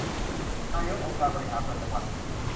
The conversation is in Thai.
นายกองค์การบริหารส่วนจังหวัด